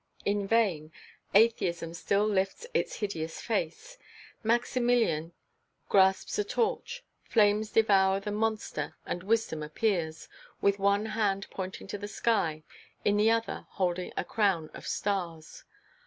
In vain Atheism still lifts its hideous face; Maximilien grasps a torch; flames devour the monster and Wisdom appears, with one hand pointing to the sky, in the other holding a crown of stars.